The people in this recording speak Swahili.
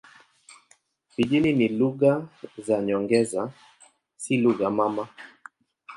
Pijini ni lugha za nyongeza, si lugha mama.